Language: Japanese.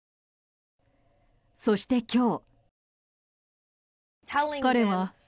そして今日。